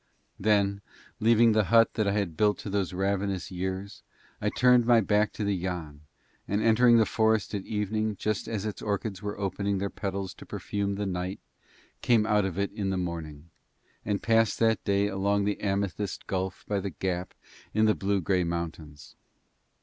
Then leaving the hut that I built to those ravenous years I turned my back to the Yann and entering the forest at evening just as its orchids were opening their petals to perfume the night came out of it in the morning, and passed that day along the amethyst gulf by the gap in the blue grey mountains.